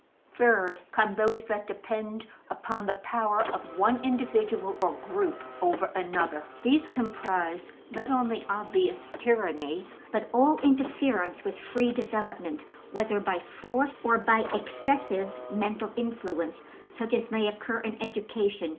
'' Third come those that depend upon the power of one individual or group over another: these comprise not only obvious tyranny, but all interference with free development, whether by force or by excessive mental influence such as may occur in education.